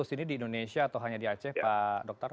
sembilan enam ratus ini di indonesia atau hanya di aceh pak dokter